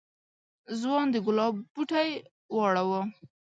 ځوان د گلاب بوټی واړاوه.